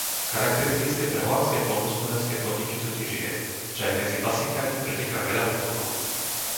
Charakteristické pre holandské poľnohospodárske podniky totiž je, že aj medzi pasienkami preteká veľa potokov.